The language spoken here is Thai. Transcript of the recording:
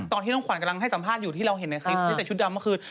ตอนที่น้องขวัญกำลังให้สัมภาษณ์อยู่ที่เราเห็นในคลิปที่ใส่ชุดดำเมื่อคืน